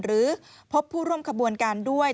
หรือพบผู้ร่วมขบวนการด้วย